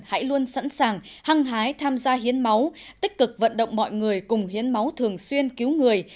hãy luôn sẵn sàng hăng hái tham gia hiến máu tích cực vận động mọi người cùng hiến máu thường xuyên cứu người